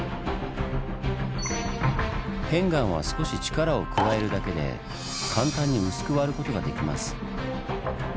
片岩は少し力を加えるだけで簡単に薄く割ることができます。